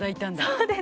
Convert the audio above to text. そうです。